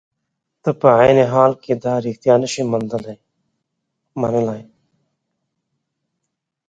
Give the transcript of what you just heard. ته په عین حال کې دا رښتیا نشې منلای.